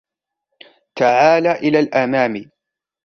تعالَ إلى الأمام.